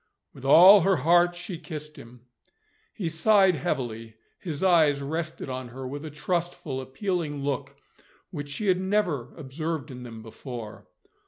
With all her heart she kissed him. He sighed heavily; his eyes rested on her with a trustful appealing look which she had never observed in them before.